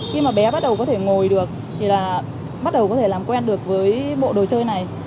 khi mà bé bắt đầu có thể ngồi được thì là bắt đầu có thể làm quen được với bộ đồ chơi này